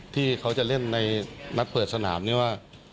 ที่เขาจะเล่นในนัดเปิดสนามนี้ว่า